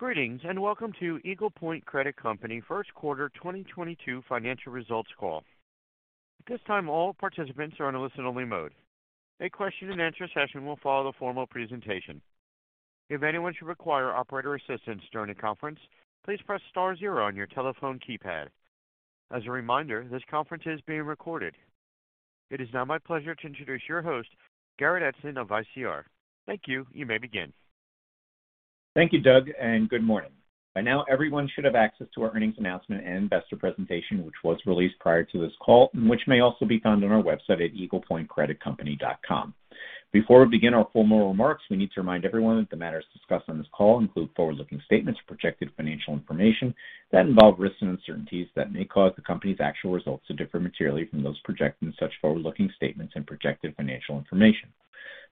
Greetings, and welcome to Eagle Point Credit Company first quarter 2022 financial results call. At this time, all participants are in a listen-only mode. A question-and-answer session will follow the formal presentation. If anyone should require operator assistance during the conference, please press star zero on your telephone keypad. As a reminder, this conference is being recorded. It is now my pleasure to introduce your host, Garrett Edson of ICR. Thank you. You may begin. Thank you, Doug, and good morning. By now, everyone should have access to our earnings announcement and investor presentation, which was released prior to this call and which may also be found on our website at eaglepointcreditcompany.com. Before we begin our formal remarks, we need to remind everyone that the matters discussed on this call include forward-looking statements, projected financial information that involve risks and uncertainties that may cause the company's actual results to differ materially from those projected in such forward-looking statements and projected financial information.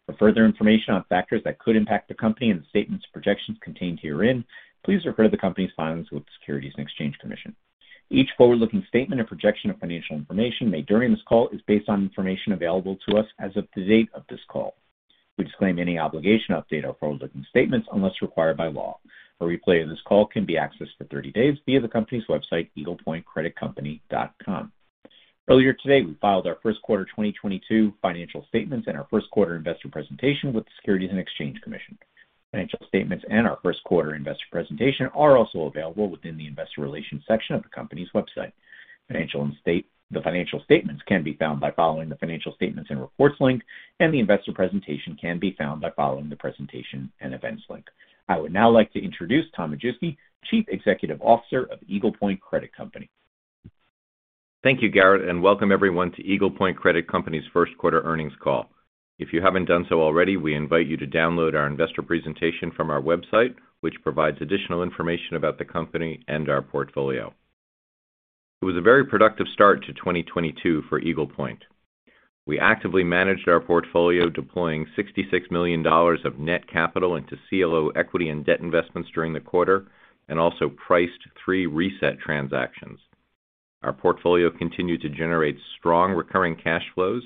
For further information on factors that could impact the company and the statements and projections contained herein, please refer to the company's filings with the Securities and Exchange Commission. Each forward-looking statement or projection of financial information made during this call is based on information available to us as of the date of this call. We disclaim any obligation to update our forward-looking statements unless required by law. A replay of this call can be accessed for 30 days via the company's website, eaglepointcreditcompany.com. Earlier today, we filed our first quarter 2022 financial statements and our first quarter investor presentation with the Securities and Exchange Commission. Financial statements and our first quarter investor presentation are also available within the Investor Relations section of the company's website. The financial statements can be found by following the Financial Statements & Reports link, and the investor presentation can be found by following the Presentation & Events link. I would now like to introduce Tom Majewski, Chief Executive Officer of Eagle Point Credit Company. Thank you, Garrett, and welcome everyone to Eagle Point Credit Company's first quarter earnings call. If you haven't done so already, we invite you to download our investor presentation from our website, which provides additional information about the company and our portfolio. It was a very productive start to 2022 for Eagle Point. We actively managed our portfolio, deploying $66 million of net capital into CLO equity and debt investments during the quarter and also priced three reset transactions. Our portfolio continued to generate strong recurring cash flows,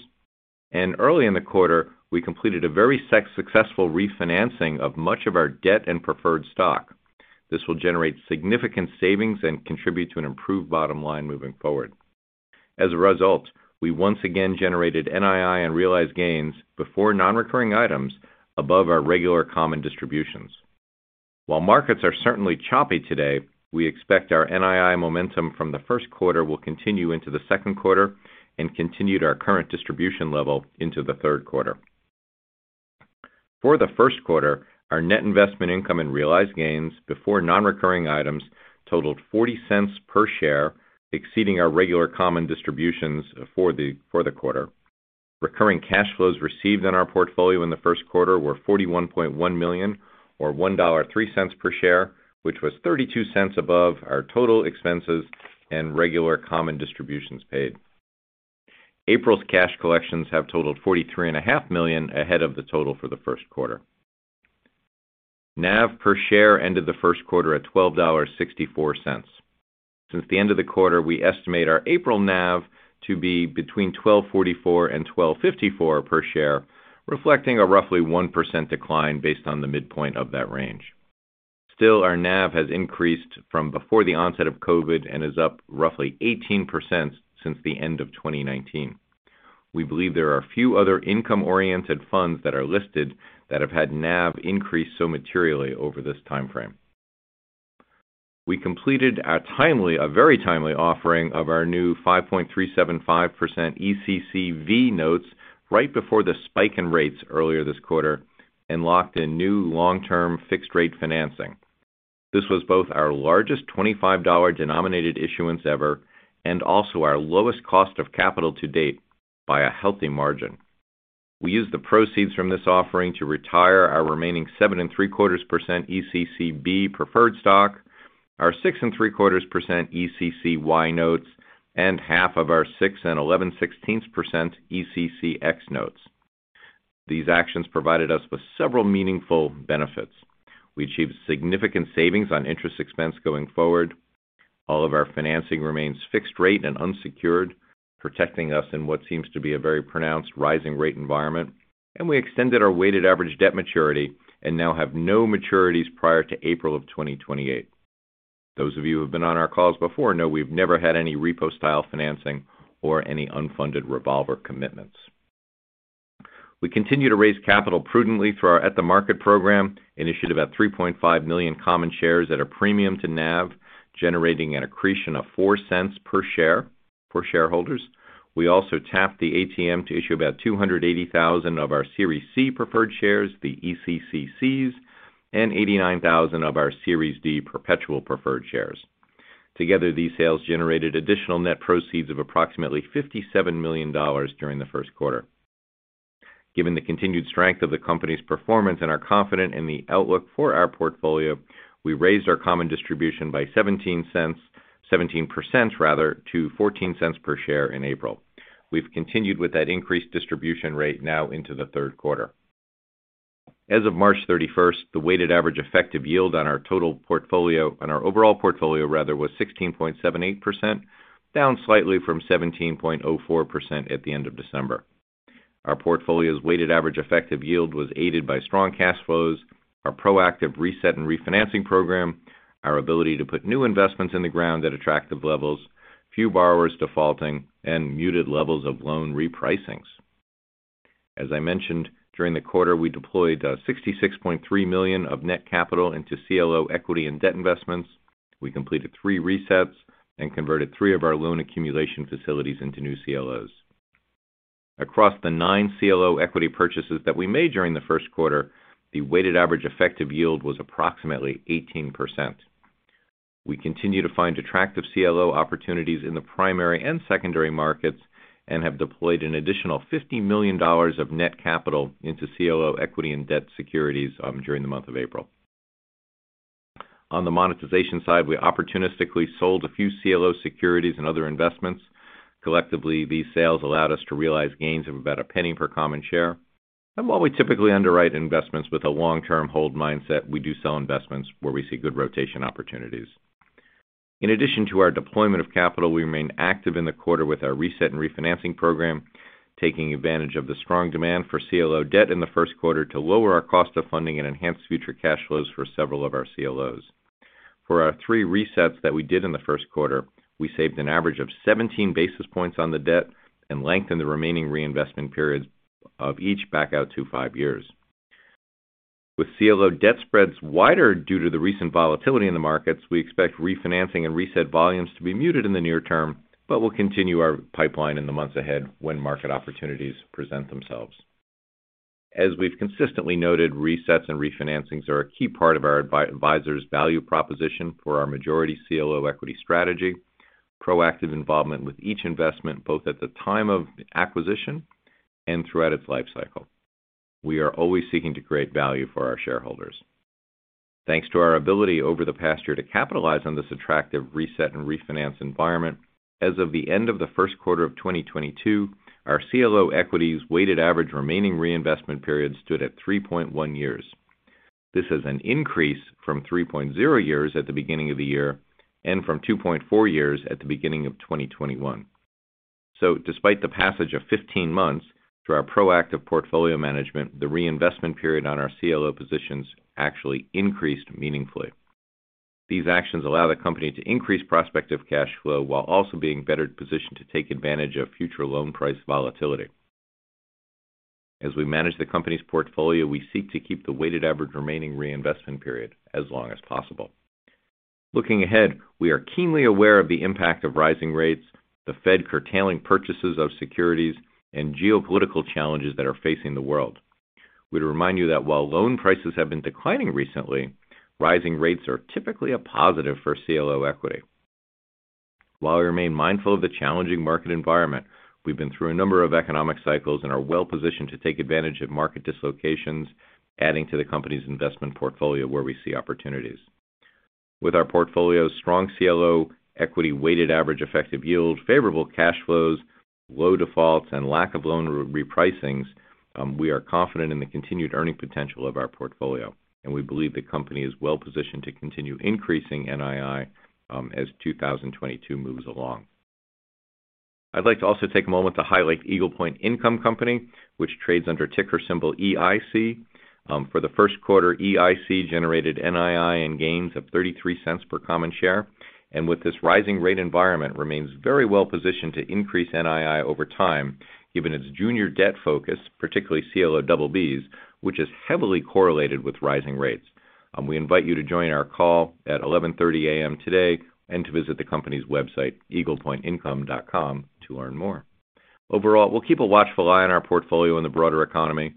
and early in the quarter, we completed a very successful refinancing of much of our debt and preferred stock. This will generate significant savings and contribute to an improved bottom line moving forward. As a result, we once again generated NII and realized gains before non-recurring items above our regular common distributions. While markets are certainly choppy today, we expect our NII momentum from the first quarter will continue into the second quarter and continued our current distribution level into the third quarter. For the first quarter, our net investment income and realized gains before non-recurring items totaled $0.40 per share, exceeding our regular common distributions for the quarter. Recurring cash flows received in our portfolio in the first quarter were $41.1 million or $1.03 per share, which was $0.32 above our total expenses and regular common distributions paid. April's cash collections have totaled $43.5 million ahead of the total for the first quarter. NAV per share ended the first quarter at $12.64. Since the end of the quarter, we estimate our April NAV to be between $12.44 and $12.54 per share, reflecting a roughly 1% decline based on the midpoint of that range. Still, our NAV has increased from before the onset of COVID and is up roughly 18% since the end of 2019. We believe there are a few other income-oriented funds that are listed that have had NAV increase so materially over this timeframe. We completed a very timely offering of our new 5.375% ECCV notes right before the spike in rates earlier this quarter and locked in new long-term fixed-rate financing. This was both our largest $25 denominated issuance ever and also our lowest cost of capital to date by a healthy margin. We used the proceeds from this offering to retire our remaining 7.75% ECCB preferred stock, our 6.75% ECCY notes, and half of our 6.6875% ECCX notes. These actions provided us with several meaningful benefits. We achieved significant savings on interest expense going forward. All of our financing remains fixed rate and unsecured, protecting us in what seems to be a very pronounced rising rate environment. We extended our weighted average debt maturity and now have no maturities prior to April of 2028. Those of you who have been on our calls before know we've never had any repo-style financing or any unfunded revolver commitments. We continue to raise capital prudently through our at-the-market program and issued about 3.5 million common shares at a premium to NAV, generating an accretion of $0.04 per share for shareholders. We also tapped the ATM to issue about 280,000 of our Series C preferred shares, the ECCCs, and 89,000 of our Series D perpetual preferred shares. Together, these sales generated additional net proceeds of approximately $57 million during the first quarter. Given the continued strength of the company's performance and we're confident in the outlook for our portfolio, we raised our common distribution by 17% rather to $0.14 per share in April. We've continued with that increased distribution rate now into the third quarter. As of March 31st, the weighted average effective yield on our overall portfolio rather was 16.78%, down slightly from 17.04% at the end of December. Our portfolio's weighted average effective yield was aided by strong cash flows, our proactive reset and refinancing program, our ability to put new investments in the ground at attractive levels, few borrowers defaulting, and muted levels of loan repricings. As I mentioned, during the quarter, we deployed $66.3 million of net capital into CLO equity and debt investments. We completed three resets and converted three of our loan accumulation facilities into new CLOs. Across the nine CLO equity purchases that we made during the first quarter, the weighted average effective yield was approximately 18%. We continue to find attractive CLO opportunities in the primary and secondary markets and have deployed an additional $50 million of net capital into CLO equity and debt securities during the month of April. On the monetization side, we opportunistically sold a few CLO securities and other investments. Collectively, these sales allowed us to realize gains of about $0.01 per common share. While we typically underwrite investments with a long-term hold mindset, we do sell investments where we see good rotation opportunities. In addition to our deployment of capital, we remain active in the quarter with our reset and refinancing program, taking advantage of the strong demand for CLO debt in the first quarter to lower our cost of funding and enhance future cash flows for several of our CLOs. For our three resets that we did in the first quarter, we saved an average of 17 basis points on the debt and lengthened the remaining reinvestment periods of each back out to five years. With CLO debt spreads wider due to the recent volatility in the markets, we expect refinancing and reset volumes to be muted in the near term, but we'll continue our pipeline in the months ahead when market opportunities present themselves. As we've consistently noted, resets and refinancings are a key part of our advisors' value proposition for our majority CLO equity strategy, proactive involvement with each investment, both at the time of acquisition and throughout its life cycle. We are always seeking to create value for our shareholders. Thanks to our ability over the past year to capitalize on this attractive reset and refinance environment, as of the end of the first quarter of 2022, our CLO equity's weighted average remaining reinvestment period stood at 3.1 years. This is an increase from 3.0 years at the beginning of the year and from 2.4 years at the beginning of 2021. Despite the passage of 15 months, through our proactive portfolio management, the reinvestment period on our CLO positions actually increased meaningfully. These actions allow the company to increase prospective cash flow while also being better positioned to take advantage of future loan price volatility. As we manage the company's portfolio, we seek to keep the weighted average remaining reinvestment period as long as possible. Looking ahead, we are keenly aware of the impact of rising rates, the Fed curtailing purchases of securities, and geopolitical challenges that are facing the world. We'd remind you that while loan prices have been declining recently, rising rates are typically a positive for CLO equity. While we remain mindful of the challenging market environment, we've been through a number of economic cycles and are well-positioned to take advantage of market dislocations, adding to the company's investment portfolio where we see opportunities. With our portfolio's strong CLO equity weighted average effective yield, favorable cash flows, low defaults, and lack of loan re-repricings, we are confident in the continued earning potential of our portfolio, and we believe the company is well-positioned to continue increasing NII, as 2022 moves along. I'd like to also take a moment to highlight Eagle Point Income Company, which trades under ticker symbol EIC. For the first quarter, EIC generated NII and gains of $0.33 per common share, and with this rising rate environment remains very well-positioned to increase NII over time, given its junior debt focus, particularly CLO BBs, which is heavily correlated with rising rates. We invite you to join our call at 11:30 A.M. today and to visit the company's website, eaglepointincome.com, to learn more. Overall, we'll keep a watchful eye on our portfolio and the broader economy.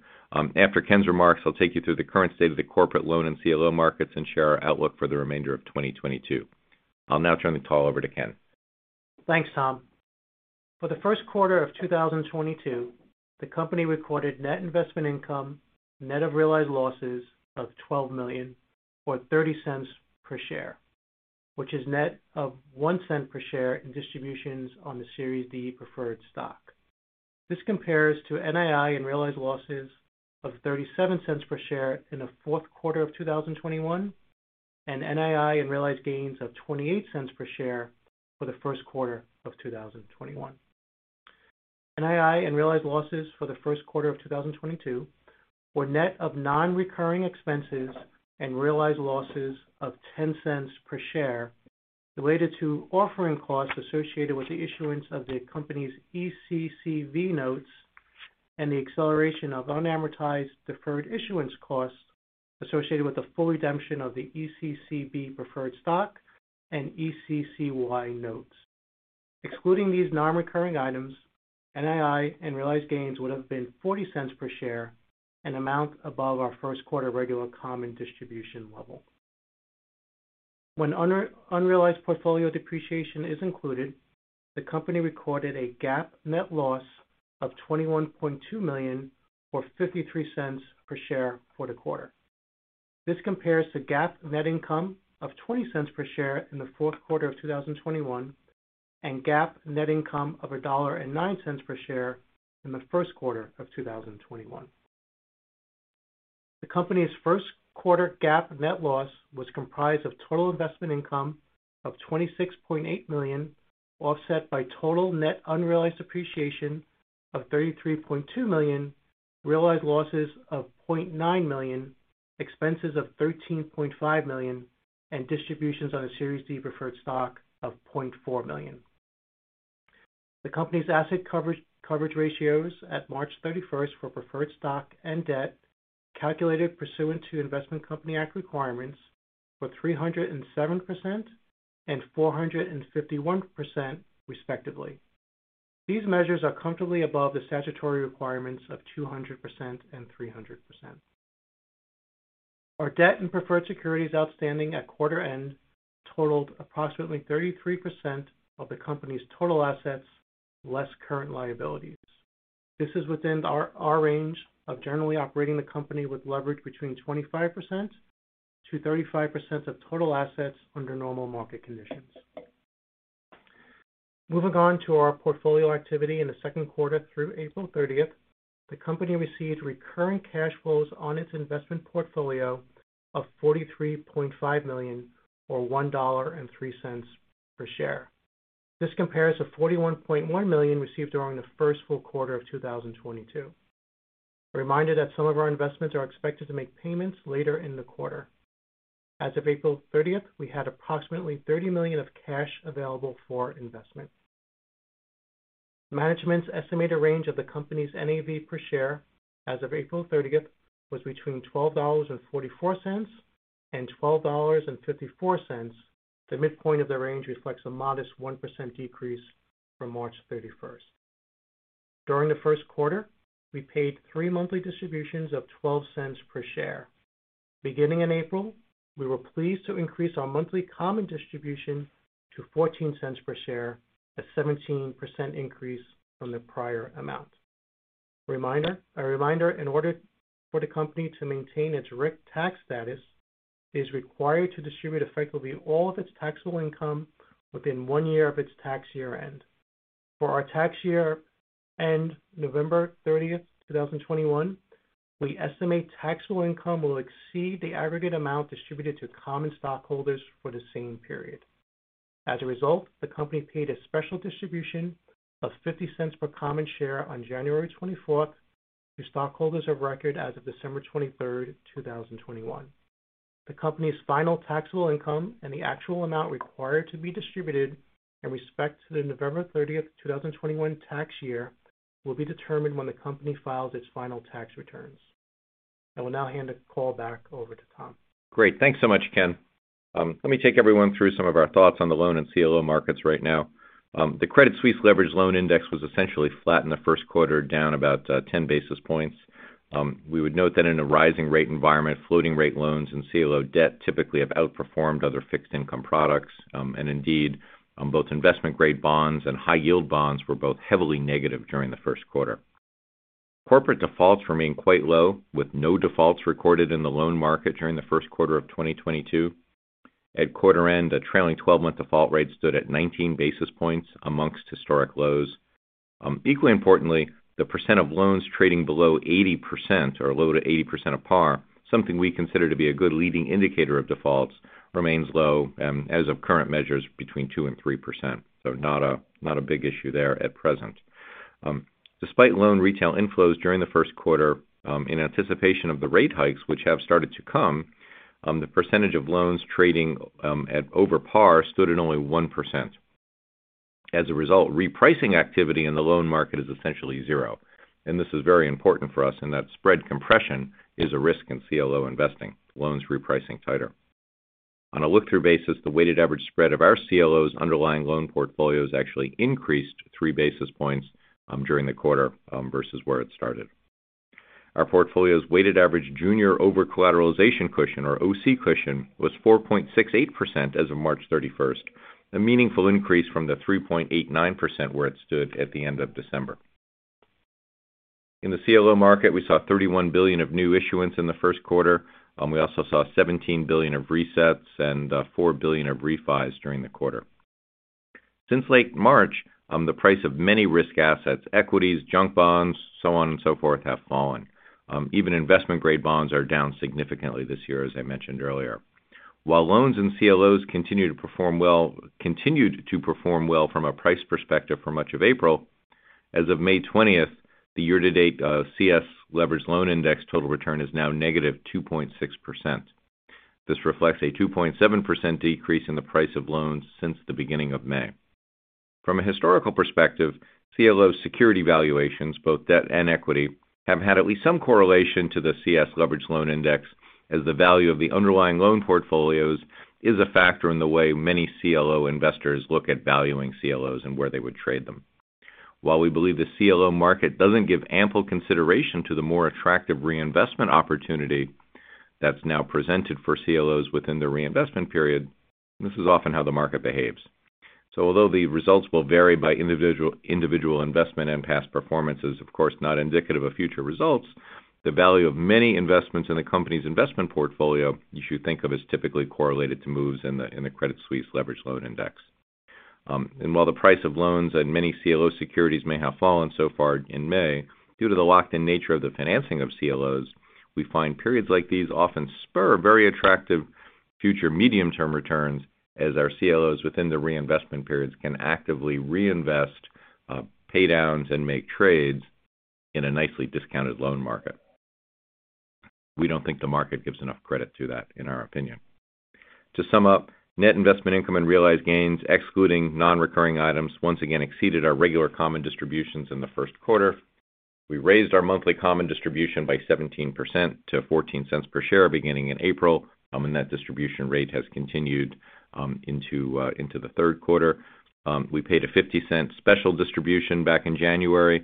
After Ken's remarks, he'll take you through the current state of the corporate loan and CLO markets and share our outlook for the remainder of 2022. I'll now turn the call over to Ken. Thanks, Tom. For the first quarter of 2022, the company recorded net investment income net of realized losses of $12 million or $0.30 per share, which is net of $0.01 per share in distributions on the Series D preferred stock. This compares to NII and realized losses of $0.37 per share in the fourth quarter of 2021, and NII and realized gains of $0.28 per share for the first quarter of 2021. NII and realized losses for the first quarter of 2022 were net of non-recurring expenses and realized losses of $0.10 per share related to offering costs associated with the issuance of the company's ECCV notes and the acceleration of unamortized deferred issuance costs associated with the full redemption of the ECCB preferred stock and ECCY notes. Excluding these non-recurring items, NII and realized gains would have been $0.40 per share, an amount above our first quarter regular common distribution level. When unrealized portfolio depreciation is included, the company recorded a GAAP net loss of $21.2 million or $0.53 per share for the quarter. This compares to GAAP net income of $0.20 per share in the fourth quarter of 2021 and GAAP net income of $1.09 per share in the first quarter of 2021. The company's first quarter GAAP net loss was comprised of total investment income of $26.8 million, offset by total net unrealized appreciation of $33.2 million, realized losses of $0.9 million, expenses of $13.5 million, and distributions on a Series D preferred stock of $0.4 million. The company's asset coverage ratios at March 31st for preferred stock and debt calculated pursuant to Investment Company Act requirements were 307% and 451%, respectively. These measures are comfortably above the statutory requirements of 200% and 300%. Our debt and preferred securities outstanding at quarter end totaled approximately 33% of the company's total assets, less current liabilities. This is within our range of generally operating the company with leverage between 25%-35% of total assets under normal market conditions. Moving on to our portfolio activity in the second quarter through April 30th, the company received recurring cash flows on its investment portfolio of $43.5 million or $1.03 per share. This compares to $41.1 million received during the first full quarter of 2022. A reminder that some of our investments are expected to make payments later in the quarter. As of April 30, we had approximately $30 million of cash available for investment. Management's estimated range of the company's NAV per share as of April 30 was between $12.44 and $12.54. The midpoint of the range reflects a modest 1% decrease from March 31. During the first quarter, we paid three monthly distributions of $0.12 per share. Beginning in April, we were pleased to increase our monthly common distribution to $0.14 per share, a 17% increase from the prior amount. As a reminder, in order for the company to maintain its RIC tax status, it is required to distribute effectively all of its taxable income within one year of its tax year-end. For our tax year-end November 30, 2021, we estimate taxable income will exceed the aggregate amount distributed to common stockholders for the same period. As a result, the company paid a special distribution of $0.50 per common share on January 24 to stockholders of record as of December 23, 2021. The company's final taxable income and the actual amount required to be distributed in respect to the November 30, 2021 tax year will be determined when the company files its final tax returns. I will now hand the call back over to Tom. Great. Thanks so much, Ken. Let me take everyone through some of our thoughts on the loan and CLO markets right now. The Credit Suisse Leveraged Loan Index was essentially flat in the first quarter, down about 10 basis points. We would note that in a rising rate environment, floating rate loans and CLO debt typically have outperformed other fixed income products. Indeed, both investment-grade bonds and high-yield bonds were both heavily negative during the first quarter. Corporate defaults remain quite low, with no defaults recorded in the loan market during the first quarter of 2022. At quarter end, the trailing twelve-month default rate stood at 19 basis points among historic lows. Equally importantly, the percent of loans trading below 80% or low to 80% of par, something we consider to be a good leading indicator of defaults, remains low, as of current measures between 2% and 3%. Not a big issue there at present. Despite loan retail inflows during the first quarter, in anticipation of the rate hikes which have started to come, the percentage of loans trading at over par stood at only 1%. As a result, repricing activity in the loan market is essentially zero, and this is very important for us in that spread compression is a risk in CLO investing, loans repricing tighter. On a look-through basis, the weighted average spread of our CLO's underlying loan portfolios actually increased 3 basis points during the quarter versus where it started. Our portfolio's weighted average junior overcollateralization cushion or OC cushion was 4.68% as of March 31, a meaningful increase from the 3.89% where it stood at the end of December. In the CLO market, we saw $31 billion of new issuance in the first quarter. We also saw $17 billion of resets and $4 billion of refis during the quarter. Since late March, the price of many risk assets, equities, junk bonds, so on and so forth, have fallen. Even investment-grade bonds are down significantly this year, as I mentioned earlier. While loans and CLOs continued to perform well from a price perspective for much of April, as of May 20, the year-to-date CS Leveraged Loan Index total return is now -2.6%. This reflects a 2.7% decrease in the price of loans since the beginning of May. From a historical perspective, CLO security valuations, both debt and equity, have had at least some correlation to the CS Leveraged Loan Index, as the value of the underlying loan portfolios is a factor in the way many CLO investors look at valuing CLOs and where they would trade them. While we believe the CLO market doesn't give ample consideration to the more attractive reinvestment opportunity that's now presented for CLOs within the reinvestment period, this is often how the market behaves. Although the results will vary by individual investment and past performance is, of course, not indicative of future results, the value of many investments in the company's investment portfolio you should think of as typically correlated to moves in the Credit Suisse Leveraged Loan Index. While the price of loans and many CLO securities may have fallen so far in May, due to the locked-in nature of the financing of CLOs, we find periods like these often spur very attractive future medium-term returns as our CLOs within the reinvestment periods can actively reinvest pay downs and make trades in a nicely discounted loan market. We don't think the market gives enough credit to that, in our opinion. To sum up, net investment income and realized gains, excluding non-recurring items, once again exceeded our regular common distributions in the first quarter. We raised our monthly common distribution by 17% to $0.14 per share beginning in April, and that distribution rate has continued into the third quarter. We paid a $0.50 special distribution back in January,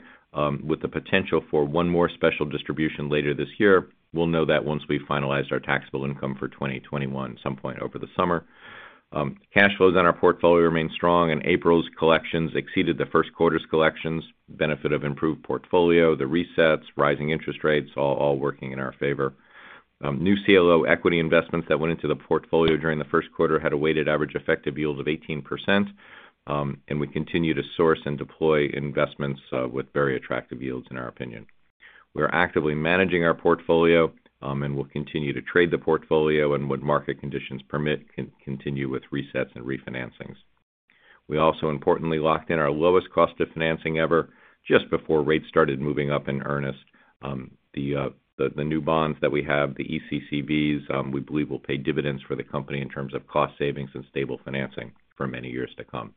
with the potential for one more special distribution later this year. We'll know that once we've finalized our taxable income for 2021 at some point over the summer. Cash flows on our portfolio remain strong, and April's collections exceeded the first quarter's collections, benefit of improved portfolio, the resets, rising interest rates, all working in our favor. New CLO equity investments that went into the portfolio during the first quarter had a weighted average effective yield of 18%, and we continue to source and deploy investments with very attractive yields in our opinion. We are actively managing our portfolio and will continue to trade the portfolio and when market conditions permit continue with resets and refinancings. We also importantly locked in our lowest cost of financing ever just before rates started moving up in earnest. The new bonds that we have, the ECCB, we believe will pay dividends for the company in terms of cost savings and stable financing for many years to come.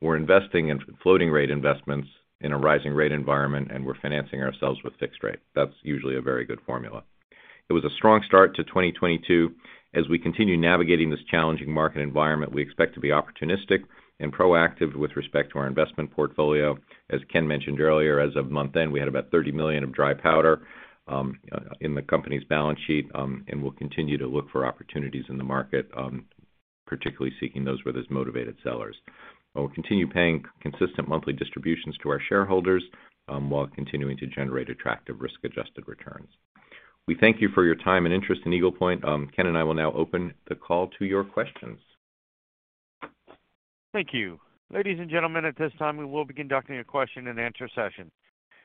We're investing in floating rate investments in a rising rate environment, and we're financing ourselves with fixed rate. That's usually a very good formula. It was a strong start to 2022. As we continue navigating this challenging market environment, we expect to be opportunistic and proactive with respect to our investment portfolio. As Ken mentioned earlier, as of month-end, we had about $30 million of dry powder in the company's balance sheet, and we'll continue to look for opportunities in the market, particularly seeking those from motivated sellers. We'll continue paying consistent monthly distributions to our shareholders, while continuing to generate attractive risk-adjusted returns. We thank you for your time and interest in Eagle Point. Ken and I will now open the call to your questions. Thank you. Ladies and gentlemen, at this time, we will be conducting a question-and-answer session.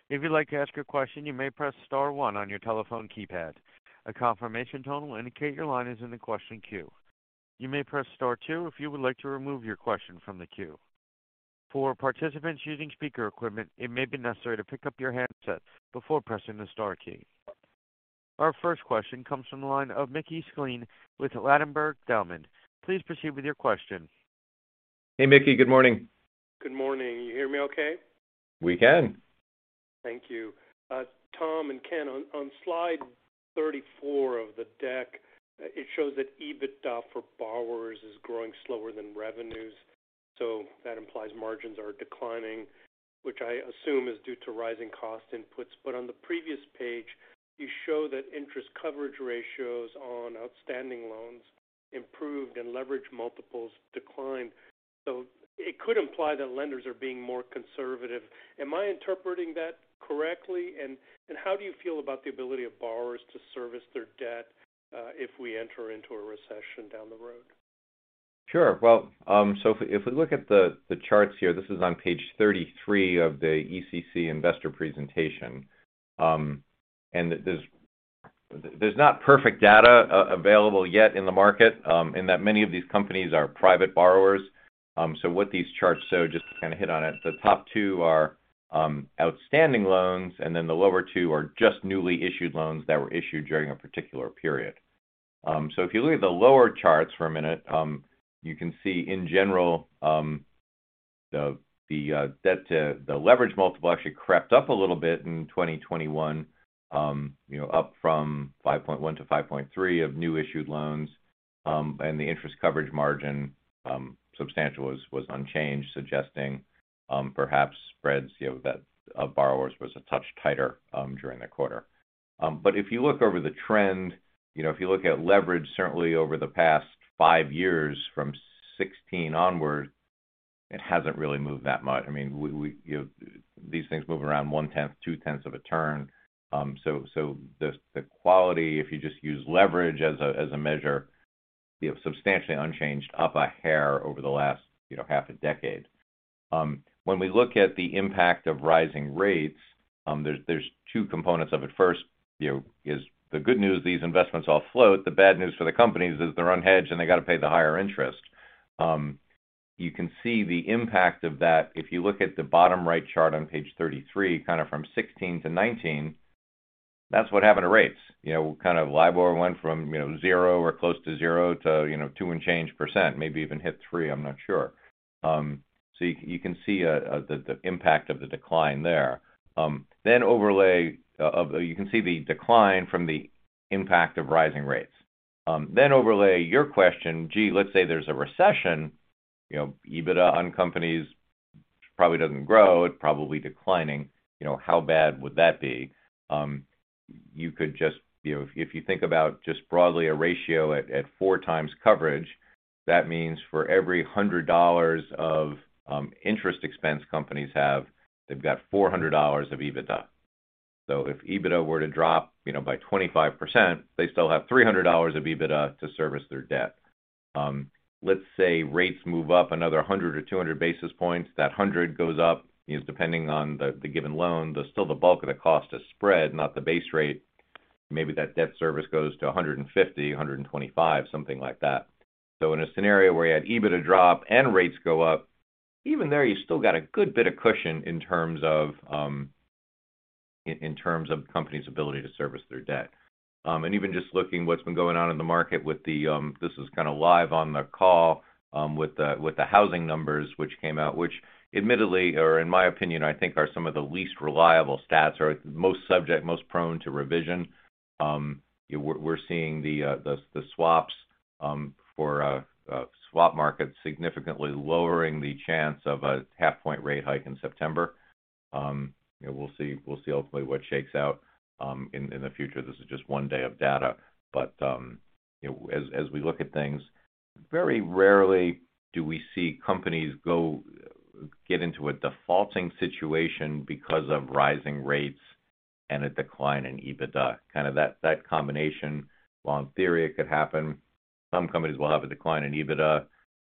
If you'd like to ask a question, you may press star one on your telephone keypad. A confirmation tone will indicate your line is in the question queue. You may press star two if you would like to remove your question from the queue. For participants using speaker equipment, it may be necessary to pick up your handset before pressing the star key. Our first question comes from the line of Mickey Schleien with Ladenburg Thalmann. Please proceed with your question. Hey, Mickey. Good morning. Good morning. You hear me okay? We can. Thank you. Tom and Ken, on slide 34 of the deck, it shows that EBITDA for borrowers is growing slower than revenues. That implies margins are declining, which I assume is due to rising cost inputs. On the previous page, you show that interest coverage ratios on outstanding loans improved and leverage multiples declined. It could imply that lenders are being more conservative. Am I interpreting that correctly? How do you feel about the ability of borrowers to service their debt, if we enter into a recession down the road? Sure. Well, if we look at the charts here, this is on page 33 of the ECC investor presentation. And there's not perfect data available yet in the market, in that many of these companies are private borrowers. What these charts show, just to kind of hit on it, the top two are outstanding loans, and then the lower two are just newly issued loans that were issued during a particular period. If you look at the lower charts for a minute, you can see in general the leverage multiple actually crept up a little bit in 2021, you know, up from 5.1-5.3 of newly issued loans. The interest coverage margin substantial was unchanged, suggesting perhaps spreads, you know, that borrowers was a touch tighter during the quarter. If you look over the trend, you know, if you look at leverage, certainly over the past 5 years from 2016 onwards, it hasn't really moved that much. I mean, we you know, these things move around one-tenth, two-tenths of a turn. The quality, if you just use leverage as a measure, you know, substantially unchanged up a hair over the last, you know, half a decade. When we look at the impact of rising rates, there's two components of it. First, you know, is the good news, these investments all float. The bad news for the companies is they're unhedged, and they gotta pay the higher interest. You can see the impact of that if you look at the bottom right chart on page 33, kind of from 16-19. That's what happened to rates. You know, kind of LIBOR went from, you know, 0 or close to 0 to, you know, 2% and change, maybe even hit 3%. I'm not sure. You can see the impact of the decline there. You can see the decline from the impact of rising rates. Then overlay your question. Gee, let's say there's a recession, you know, EBITDA on companies probably doesn't grow. It's probably declining. You know, how bad would that be? You could just, you know, if you think about just broadly a ratio at four times coverage, that means for every $100 of interest expense companies have, they've got $400 of EBITDA. If EBITDA were to drop, you know, by 25%, they still have $300 of EBITDA to service their debt. Let's say rates move up another 100 or 200 basis points. That $100 goes up, you know, depending on the given loan. But still the bulk of the cost is spread, not the base rate. Maybe that debt service goes to 150, 125, something like that. In a scenario where you had EBITDA drop and rates go up, even there, you still got a good bit of cushion in terms of companies' ability to service their debt. Even just looking what's been going on in the market with the housing numbers which came out, which admittedly or in my opinion, I think are some of the least reliable stats, most prone to revision. You know, we're seeing the swaps for swap markets significantly lowering the chance of a 0.5-point rate hike in September. You know, we'll see ultimately what shakes out in the future. This is just one day of data. You know, as we look at things, very rarely do we see companies get into a defaulting situation because of rising rates and a decline in EBITDA. Kind of that combination, while in theory it could happen, some companies will have a decline in EBITDA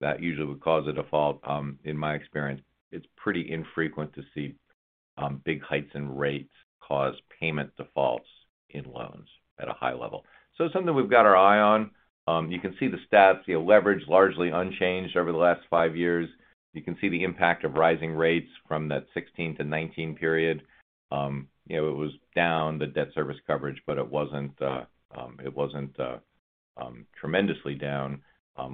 that usually would cause a default. In my experience, it's pretty infrequent to see big hikes in rates cause payment defaults in loans at a high level. It's something we've got our eye on. You can see the stats. You know, leverage largely unchanged over the last five years. You can see the impact of rising rates from that 2016 to 2019 period. You know, it was down, the debt service coverage, but it wasn't tremendously down.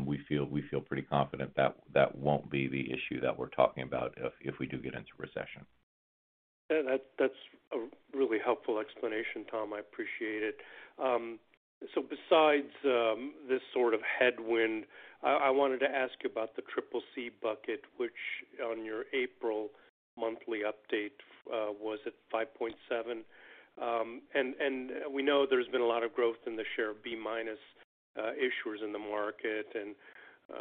We feel pretty confident that won't be the issue that we're talking about if we do get into recession. Yeah, that's a really helpful explanation, Tom. I appreciate it. Besides this sort of headwind, I wanted to ask about the CCC bucket, which on your April monthly update was at 5.7. We know there's been a lot of growth in the share of B- issuers in the market, and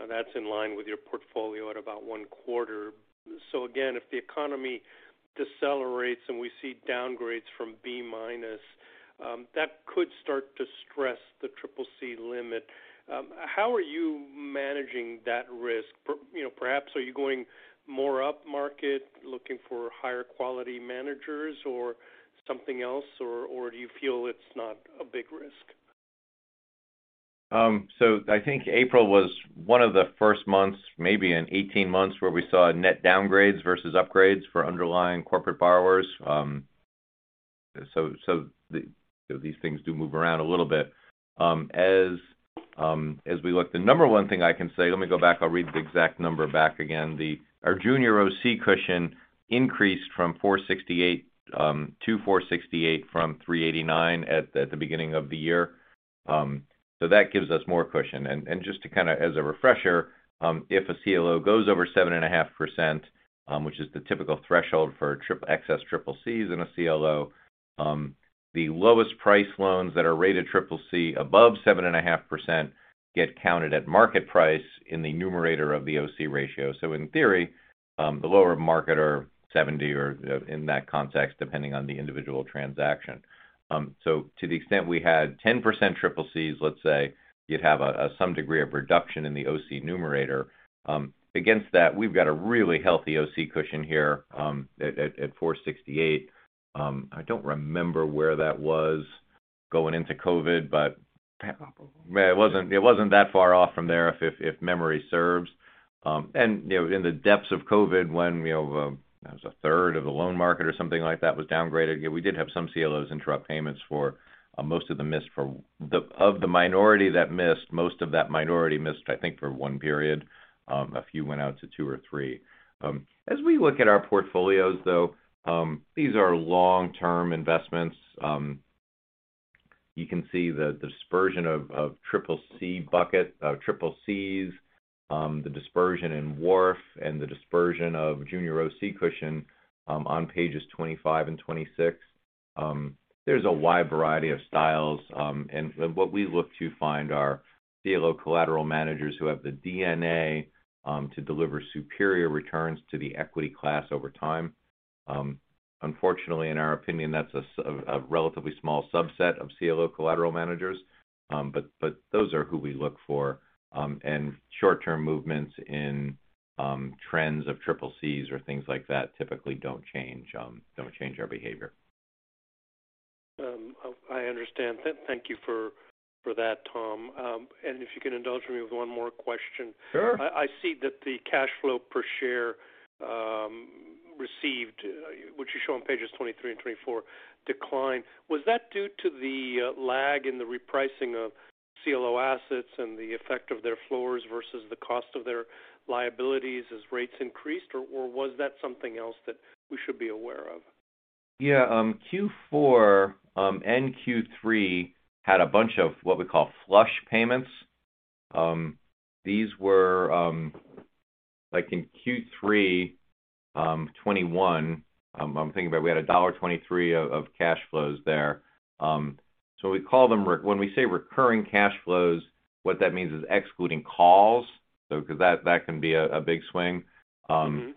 that's in line with your portfolio at about one quarter. Again, if the economy decelerates, and we see downgrades from B-, that could start to stress the CCC limit. How are you managing that risk? You know, perhaps are you going more upmarket, looking for higher quality managers or something else, or do you feel it's not a big risk? I think April was one of the first months, maybe in 18 months, where we saw net downgrades versus upgrades for underlying corporate borrowers. These things do move around a little bit. The number one thing I can say. Let me go back. I'll read the exact number back again. Our junior OC cushion increased from 3.89 to 4.68 at the beginning of the year. That gives us more cushion. Just to kind of as a refresher, if a CLO goes over 7.5%, which is the typical threshold for excess CCCs in a CLO, the lowest priced loans that are rated CCC above 7.5% get counted at market price in the numerator of the OC ratio. In theory, the lower the market or 70, or in that context, depending on the individual transaction. To the extent we had 10% CCCs, let's say, you'd have some degree of reduction in the OC numerator. Against that, we've got a really healthy OC cushion here at 4.68. I don't remember where that was going into COVID, but it wasn't that far off from there if memory serves. You know, in the depths of COVID when, you know, it was a third of the loan market or something like that was downgraded. Yeah, we did have some CLOs interrupt payments for most of them missed. Of the minority that missed, most of that minority missed, I think for one period. A few went out to two or three. As we look at our portfolios, though, these are long-term investments. You can see the dispersion of the CCC bucket, CCCs, the dispersion in WARF and the dispersion of junior OC cushion on pages 25 and 26. There's a wide variety of styles, and what we look to find are CLO collateral managers who have the DNA to deliver superior returns to the equity class over time. Unfortunately, in our opinion, that's a relatively small subset of CLO collateral managers. Those are who we look for, and short-term movements in trends of CCCs or things like that typically don't change our behavior. I understand. Thank you for that, Tom. If you can indulge me with one more question? Sure. I see that the cash flow per share received, which you show on pages 23 and 24, declined. Was that due to the lag in the repricing of CLO assets and the effect of their floors versus the cost of their liabilities as rates increased, or was that something else that we should be aware of? Yeah. Q4 and Q3 had a bunch of what we call flush payments. These were like in Q3 2021, I'm thinking about we had $1.23 of cash flows there. We call them when we say recurring cash flows, what that means is excluding calls. Because that can be a big swing. Mm-hmm.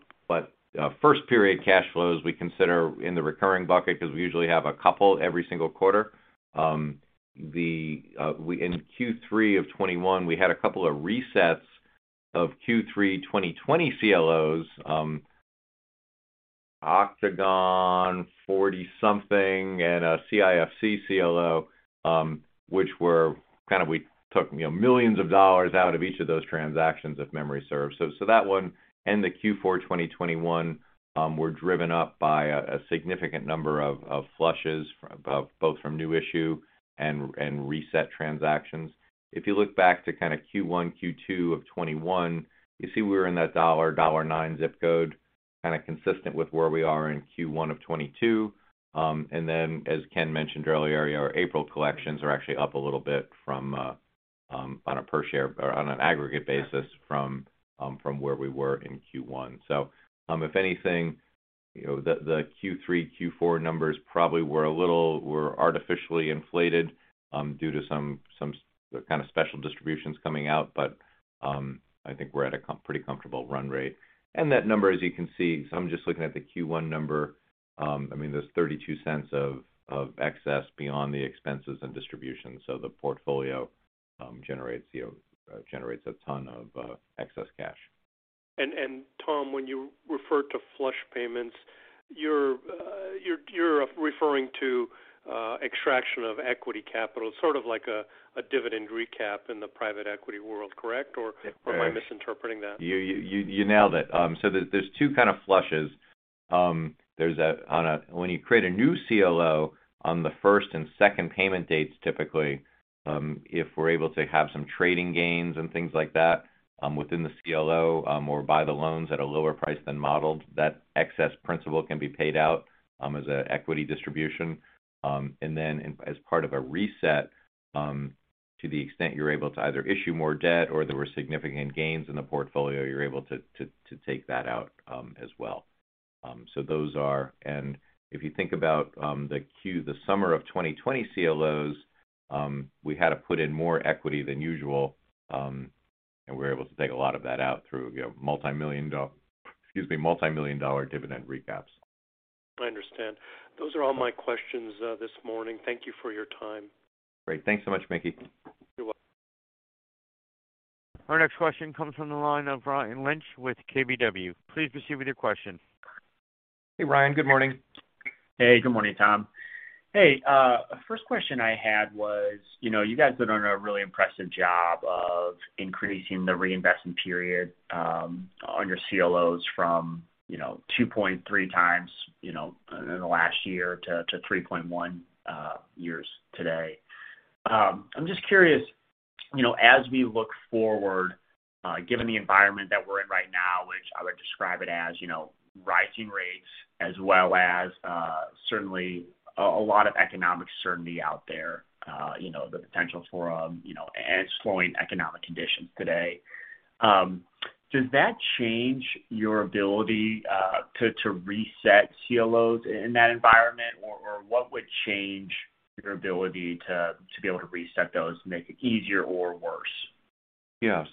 First period cash flows we consider in the recurring bucket because we usually have a couple every single quarter. In Q3 of 2021, we had a couple of resets of Q3 2020 CLOs, Octagon 40-something and a CIFC CLO, which we took, you know, $ millions out of each of those transactions if memory serves. That one and the Q4 2021 were driven up by a significant number of flushes from both new issue and reset transactions. If you look back to kind of Q1, Q2 of 2021, you see we were in that $109 zip code, kind of consistent with where we are in Q1 of 2022. As Ken mentioned earlier, our April collections are actually up a little bit from on a per share or on an aggregate basis from where we were in Q1. If anything, you know, the Q3, Q4 numbers probably were a little artificially inflated due to some kind of special distributions coming out. I think we're at a pretty comfortable run rate. That number, as you can see, I'm just looking at the Q1 number. I mean, there's $0.32 of excess beyond the expenses and distributions. The portfolio generates, you know, a ton of excess cash. Tom, when you refer to flush payments, you're referring to extraction of equity capital, sort of like a dividend recap in the private equity world, correct? Right. Am I misinterpreting that? You nailed it. There's two kind of flushes. When you create a new CLO on the first and second payment dates, typically, if we're able to have some trading gains and things like that within the CLO, or buy the loans at a lower price than modeled, that excess principal can be paid out as an equity distribution. As part of a reset, to the extent you're able to either issue more debt or there were significant gains in the portfolio, you're able to take that out as well. Those are. If you think about the summer of 2020 CLOs, we had to put in more equity than usual, and we were able to take a lot of that out through, you know, multimillion-dollar dividend recaps. I understand. Those are all my questions, this morning. Thank you for your time. Great. Thanks so much, Mickey. You're welcome. Our next question comes from the line of Ryan Lynch with KBW. Please proceed with your question. Hey, Ryan. Good morning. Hey. Good morning, Tom. Hey, first question I had was, you know, you guys have done a really impressive job of increasing the reinvestment period on your CLOs from, you know, 2.3 years in the last year to 3.1 years today. I'm just curious, you know, as we look forward, given the environment that we're in right now, which I would describe it as, you know, rising rates as well as certainly a lot of economic uncertainty out there, you know, the potential for slowing economic conditions today. Does that change your ability to reset CLOs in that environment? Or what would change your ability to be able to reset those and make it easier or worse? Yeah.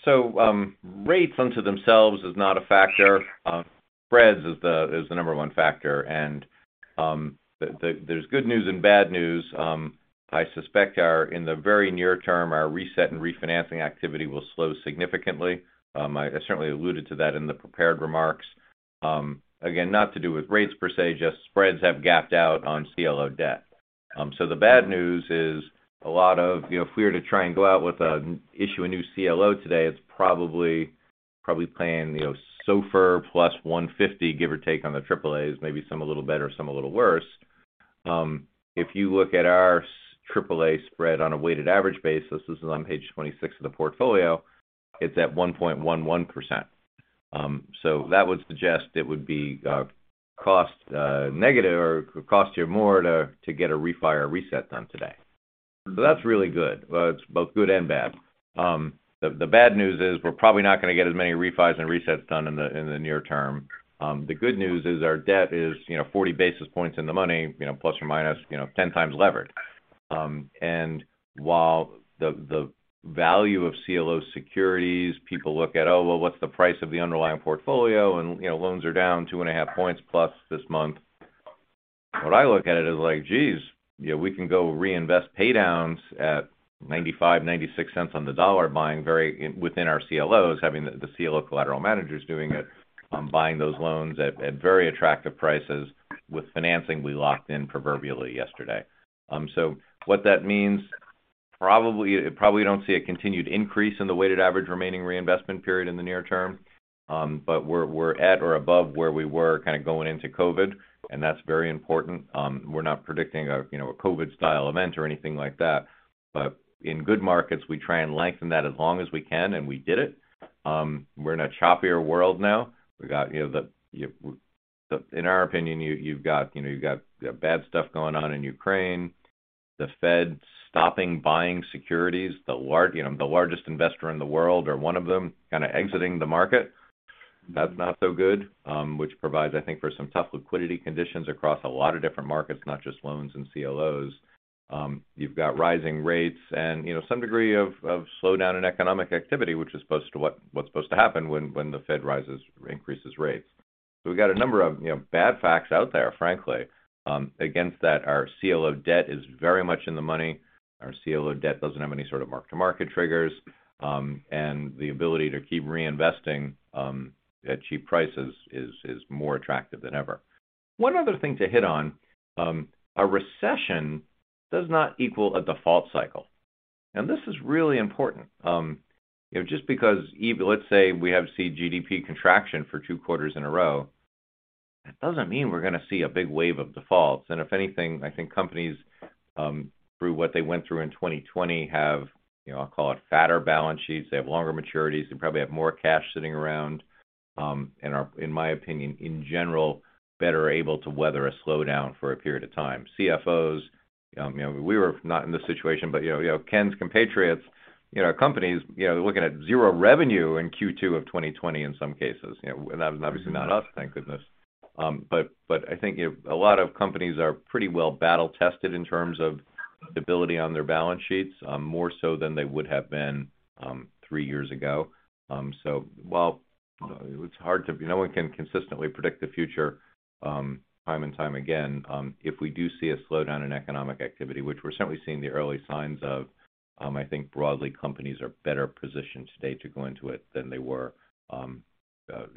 Rates unto themselves is not a factor. Spreads is the number one factor. There's good news and bad news. I suspect in the very near term, our reset and refinancing activity will slow significantly. I certainly alluded to that in the prepared remarks. Again, not to do with rates per se, just spreads have gapped out on CLO debt. The bad news is a lot of, you know, if we were to try and go out to issue a new CLO today, it's probably pricing, you know, SOFR plus 150, give or take on the AAAs, maybe some a little better, some a little worse. If you look at our AAA spread on a weighted average basis, this is on page 26 of the portfolio, it's at 1.11%. So that would suggest it would be cost negative or cost you more to get a refi or reset done today. That's really good. Well, it's both good and bad. The bad news is we're probably not going to get as many refis and resets done in the near term. The good news is our debt is, you know, 40 basis points in the money, you know, plus or minus, you know, 10 times levered. And while the value of CLO securities, people look at, oh, well, what's the price of the underlying portfolio? You know, loans are down 2.5 points plus this month. What I look at it is like, geez, you know, we can go reinvest paydowns at $0.95-$0.96 on the dollar, within our CLOs, having the CLO collateral managers doing it, buying those loans at very attractive prices with financing we locked in proverbially yesterday. What that means, probably, we don't see a continued increase in the weighted average remaining reinvestment period in the near term. We're at or above where we were kind of going into COVID, and that's very important. We're not predicting a, you know, a COVID-style event or anything like that. In good markets, we try and lengthen that as long as we can, and we did it. We're in a choppier world now. We got, you know, in our opinion, you've got bad stuff going on in Ukraine, the Fed stopping buying securities, the largest investor in the world or one of them kind of exiting the market. That's not so good, which provides, I think, for some tough liquidity conditions across a lot of different markets, not just loans and CLOs. You've got rising rates and, you know, some degree of slowdown in economic activity, which is supposed to what's supposed to happen when the Fed rises or increases rates. We've got a number of, you know, bad facts out there, frankly. Against that, our CLO debt is very much in the money. Our CLO debt doesn't have any sort of mark-to-market triggers. The ability to keep reinvesting at cheap prices is more attractive than ever. One other thing to hit on, a recession does not equal a default cycle. This is really important. You know, just because let's say we see GDP contraction for two quarters in a row, that doesn't mean we're gonna see a big wave of defaults. If anything, I think companies through what they went through in 2020 have, you know, I'll call it fatter balance sheets. They have longer maturities. They probably have more cash sitting around and are, in my opinion, in general, better able to weather a slowdown for a period of time. CFOs, you know, we were not in this situation, but, you know, Ken's compatriots, you know, companies, you know, looking at zero revenue in Q2 of 2020 in some cases. You know, obviously not us, thank goodness. I think a lot of companies are pretty well battle tested in terms of stability on their balance sheets, more so than they would have been, three years ago. No one can consistently predict the future, time and time again. If we do see a slowdown in economic activity, which we're certainly seeing the early signs of, I think broadly, companies are better positioned today to go into it than they were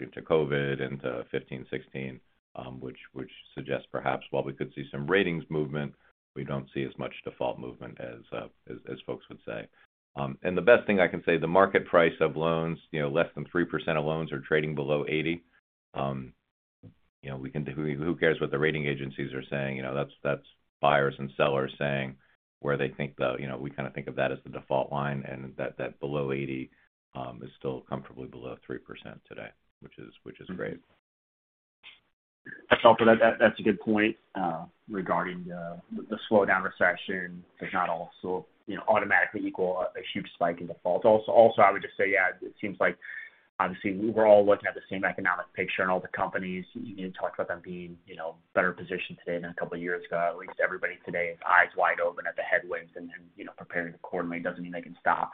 into COVID, into 2015-2016, which suggests perhaps while we could see some ratings movement, we don't see as much default movement as folks would say. The best thing I can say, the market price of loans, you know, less than 3% of loans are trading below 80. You know, who cares what the rating agencies are saying? You know, that's buyers and sellers saying where they think the. You know, we kinda think of that as the default line and that below 80 is still comfortably below 3% today, which is great. That's a good point regarding the slowdown. Recession does not also, you know, automatically equal a huge spike in defaults. Also, I would just say, yeah, it seems like obviously we were all looking at the same economic picture and all the companies. You talked about them being, you know, better positioned today than a couple of years ago. At least everybody today is eyes wide open at the headwinds and, you know, preparing accordingly. Doesn't mean they can stop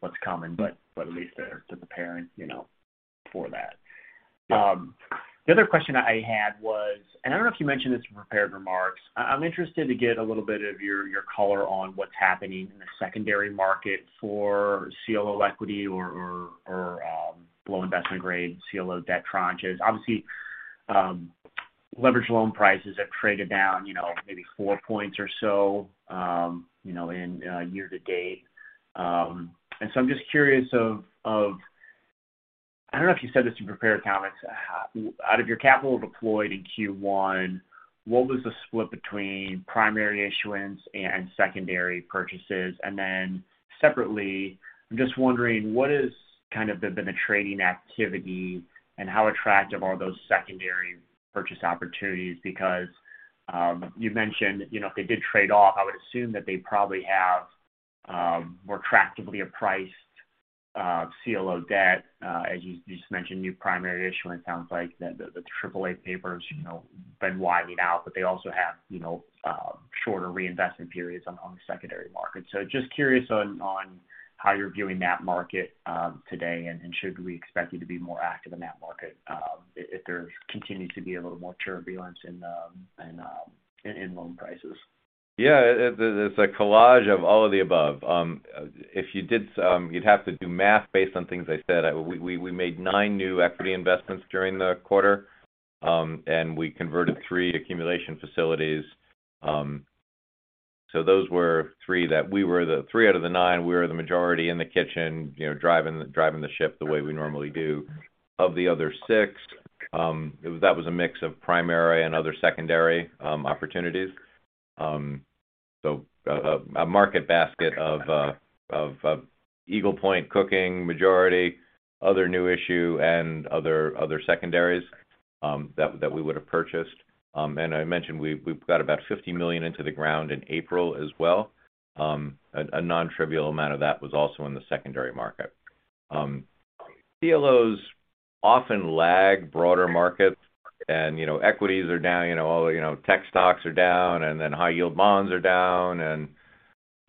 what's coming, but at least they're preparing, you know, for that. The other question I had was. I don't know if you mentioned this in prepared remarks. I'm interested to get a little bit of your color on what's happening in the secondary market for CLO equity or low investment grade CLO debt tranches. Obviously, leveraged loan prices have traded down, you know, maybe 4 points or so, you know, in year to date. I'm just curious. I don't know if you said this in prepared comments. Out of your capital deployed in Q1, what was the split between primary issuance and secondary purchases? Then separately, I'm just wondering what has kind of been the trading activity and how attractive are those secondary purchase opportunities? Because, you've mentioned, you know, if they did trade off, I would assume that they probably have more attractively priced CLO debt. As you just mentioned, new primary issuance sounds like the AAA paper has, you know, been widening out, but they also have, you know, shorter reinvestment periods on the secondary market. Just curious on how you're viewing that market today, and should we expect you to be more active in that market if there continues to be a little more turbulence in loan prices? It's a collage of all of the above. You'd have to do math based on things I said. We made nine new equity investments during the quarter, and we converted three accumulation facilities. So those were three out of the nine, we were the majority in the kitchen, you know, driving the ship the way we normally do. Of the other six, that was a mix of primary and other secondary opportunities. So a market basket of Eagle Point cooking majority, other new issue and other secondaries that we would have purchased. I mentioned we've got about $50 million into the ground in April as well. A non-trivial amount of that was also in the secondary market. CLOs often lag broader markets and, you know, equities are down, you know, tech stocks are down, and then high yield bonds are down, and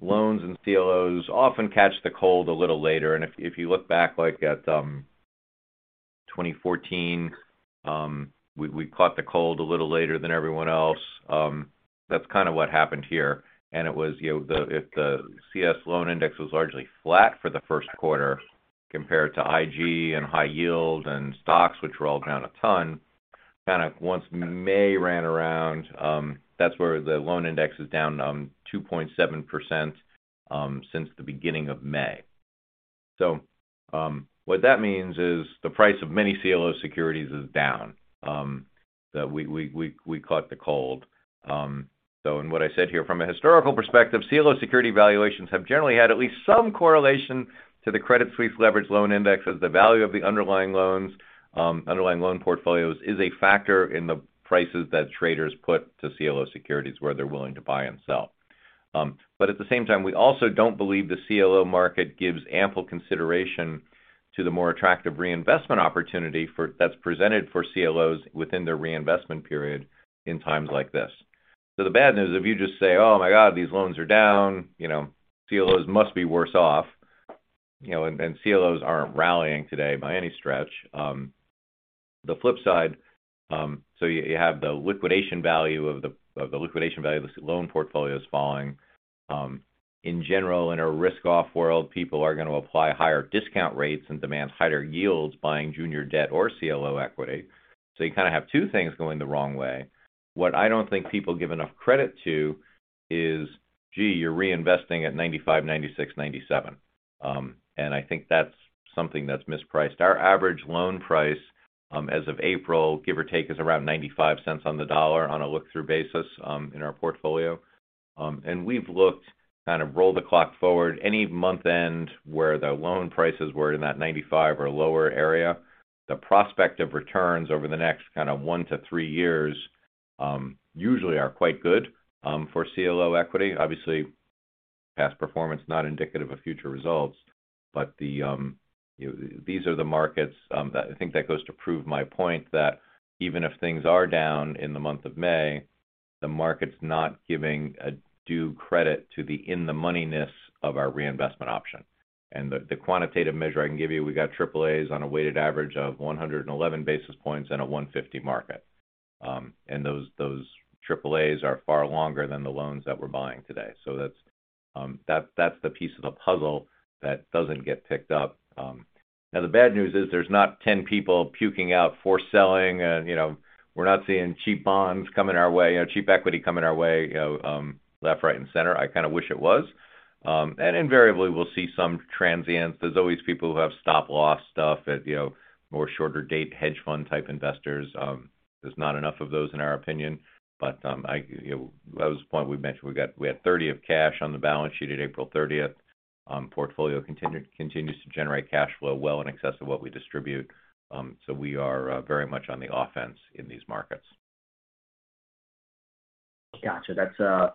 loans and CLOs often catch the cold a little later. If you look back, like at 2014, we caught the cold a little later than everyone else. That's kind of what happened here. It was, you know, if the CS loan index was largely flat for the first quarter compared to IG and high yield and stocks, which were all down a ton, kind of once May came around, that's where the loan index is down 2.7% since the beginning of May. What that means is the price of many CLO securities is down, that we caught the cold. From a historical perspective, what I said here, CLO security valuations have generally had at least some correlation to the Credit Suisse Leveraged Loan Index as the value of the underlying loans, underlying loan portfolios is a factor in the prices that traders put to CLO securities where they're willing to buy and sell. At the same time, we also don't believe the CLO market gives ample consideration to the more attractive reinvestment opportunity that's presented for CLOs within their reinvestment period in times like this. The bad news, if you just say, "Oh my god, these loans are down, you know, CLOs must be worse off," you know, and CLOs aren't rallying today by any stretch. The flip side, you have the liquidation value of the loan portfolio is falling. In general, in a risk off world, people are gonna apply higher discount rates and demand higher yields buying junior debt or CLO equity. You kind of have two things going the wrong way. What I don't think people give enough credit to is, gee, you're reinvesting at 95, 96, 97. I think that's something that's mispriced. Our average loan price, as of April, give or take, is around $0.95 on the dollar on a look-through basis, in our portfolio. We've looked, kind of roll the clock forward, any month end where the loan prices were in that 95 or lower area, the prospect of returns over the next kind of 1-3 years, usually are quite good, for CLO equity. Obviously, past performance not indicative of future results, but these are the markets that I think that goes to prove my point that even if things are down in the month of May, the market's not giving due credit to the moneyness of our reinvestment option. The quantitative measure I can give you, we've got AAAs on a weighted average of 111 basis points and a 150 market. Those AAAs are far longer than the loans that we're buying today. That's the piece of the puzzle that doesn't get picked up. Now the bad news is there's not 10 people puking out for selling and, you know, we're not seeing cheap bonds coming our way or cheap equity coming our way, left, right, and center. I kind of wish it was. Invariably, we'll see some transients. There's always people who have stop-loss stuff that, you know, shorter-dated, hedge fund type investors. There's not enough of those in our opinion. That was the point we mentioned. We had $30 million of cash on the balance sheet at April 30. Portfolio continues to generate cash flow well in excess of what we distribute. We are very much on the offense in these markets. Gotcha. That's a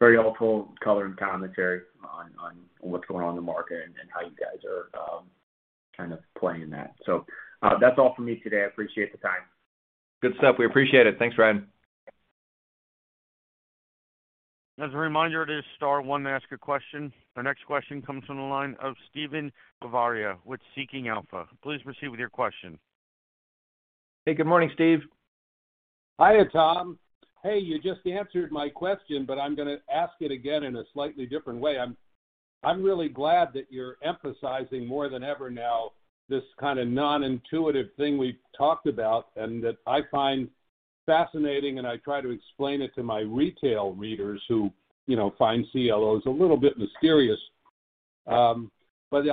very helpful color and commentary on what's going on in the market and how you guys are kind of playing that. That's all for me today. I appreciate the time. Good stuff. We appreciate it. Thanks, Ryan. As a reminder, press star one to ask a question. Our next question comes from the line of Steven Bavaria with Seeking Alpha. Please proceed with your question. Hey, good morning, Steve. Hiya, Tom. Hey, you just answered my question, but I'm gonna ask it again in a slightly different way. I'm really glad that you're emphasizing more than ever now this kind of non-intuitive thing we've talked about and that I find fascinating, and I try to explain it to my retail readers who, you know, find CLOs a little bit mysterious. Yeah,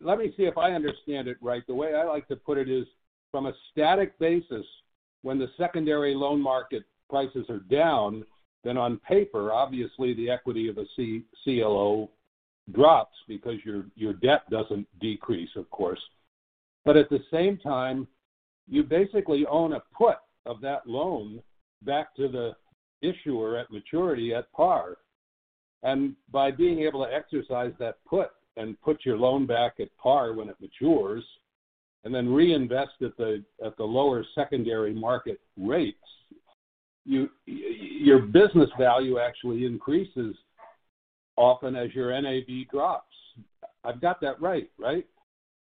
let me see if I understand it right. The way I like to put it is from a static basis, when the secondary loan market prices are down, then on paper, obviously the equity of a CLO drops because your debt doesn't decrease, of course. At the same time, you basically own a put on that loan back to the issuer at maturity at par. By being able to exercise that put and put your loan back at par when it matures, and then reinvest at the lower secondary market rates, your business value actually increases often as your NAV drops. I've got that right?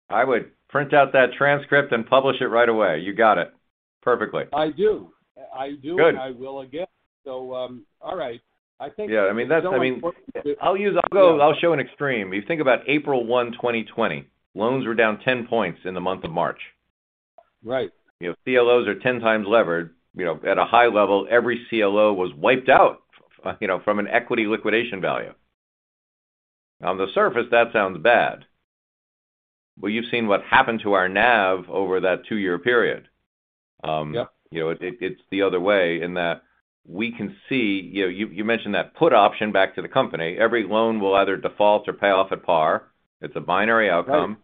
I would print out that transcript and publish it right away. You got it perfectly. I do. I do. Good. I will again. All right. I mean, I'll show an extreme. You think about April 1, 2020, loans were down 10 points in the month of March. Right. You know, CLOs are ten times levered. You know, at a high level, every CLO was wiped out, you know, from an equity liquidation value. On the surface, that sounds bad. You've seen what happened to our NAV over that two-year period. Yeah. You know, it's the other way in that we can see. You mentioned that put option back to the company. Every loan will either default or pay off at par. It's a binary outcome.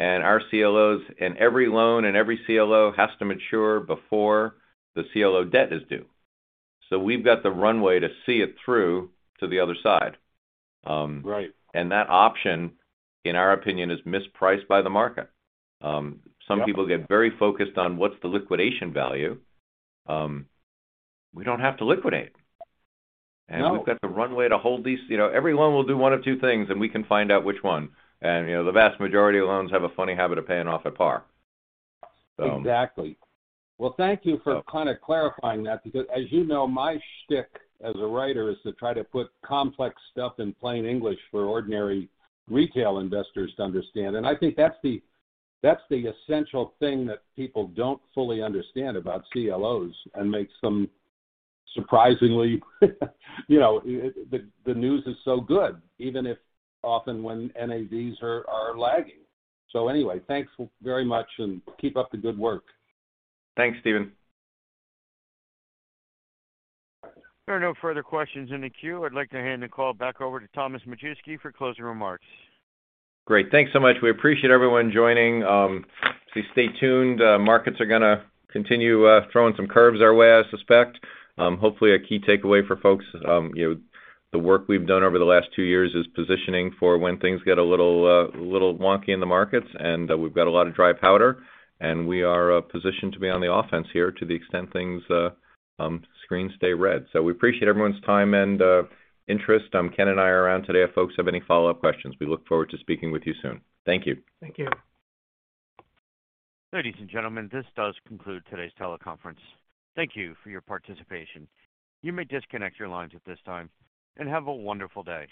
Right. Our CLOs, and every loan, and every CLO has to mature before the CLO debt is due. We've got the runway to see it through to the other side. Right. That option, in our opinion, is mispriced by the market. Yeah. Some people get very focused on what's the liquidation value. We don't have to liquidate. No. We've got the runway to hold these. You know, every loan will do one of two things, and we can find out which one. You know, the vast majority of loans have a funny habit of paying off at par. Exactly. Well, thank you for kind of clarifying that because as you know, my shtick as a writer is to try to put complex stuff in plain English for ordinary retail investors to understand. I think that's the essential thing that people don't fully understand about CLOs and makes them surprisingly, you know, the news is so good, even if often when NAVs are lagging. Anyway, thanks very much, and keep up the good work. Thanks, Steven. There are no further questions in the queue. I'd like to hand the call back over to Thomas Majewski for closing remarks. Great. Thanks so much. We appreciate everyone joining. Please stay tuned. Markets are gonna continue throwing some curves our way, I suspect. Hopefully a key takeaway for folks, you know, the work we've done over the last two years is positioning for when things get a little wonky in the markets, and we've got a lot of dry powder, and we are positioned to be on the offense here to the extent things screens stay red. We appreciate everyone's time and interest. Ken and I are around today if folks have any follow-up questions. We look forward to speaking with you soon. Thank you. Thank you. Ladies and gentlemen, this does conclude today's teleconference. Thank you for your participation. You may disconnect your lines at this time, and have a wonderful day.